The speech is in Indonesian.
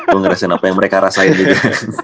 gue ngerasain apa yang mereka rasain gitu